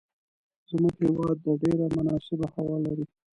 زموږ هیواد ډیره مناسبه هوا لری